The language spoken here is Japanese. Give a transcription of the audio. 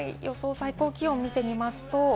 最高気温を見ていきます。